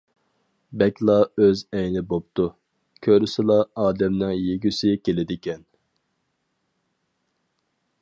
« بەكلا ئۆز ئەينى بوپتۇ، كۆرسىلا ئادەمنىڭ يېگۈسى كېلىدىكەن».